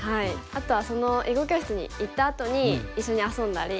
あとは囲碁教室に行ったあとに一緒に遊んだり。